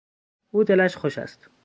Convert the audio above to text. او دلش خوش است.